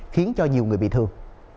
khiến cho nhiều người bị thương